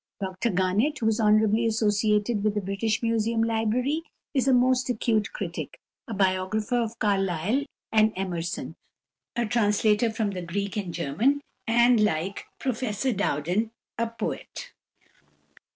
Dr Garnett, who is honourably associated with the British Museum Library, is a most acute critic, a biographer of Carlyle and Emerson, a translator from the Greek and German, and, like Professor Dowden, a poet.